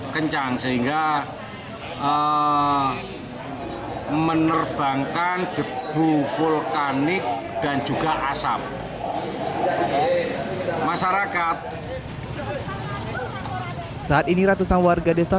kencang sehingga menerbangkan debu vulkanik dan juga asap masyarakat saat ini ratusan warga desa